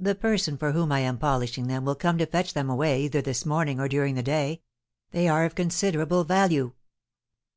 "The person for whom I am polishing them will come to fetch them away either this morning or during the day. They are of considerable value."